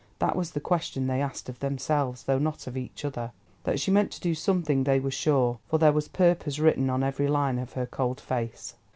That was the question they asked of themselves, though not of each other. That she meant to do something they were sure, for there was purpose written on every line of her cold face.